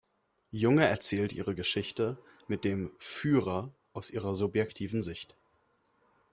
Junge erzählt ihre Geschichte mit dem „Führer“ aus ihrer subjektiven Sicht.